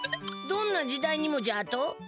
どんな時代にもじゃと？